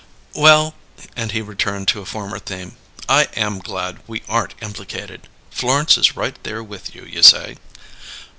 "Well " and he returned to a former theme. "I am glad we aren't implicated. Florence is right there with you, you say?"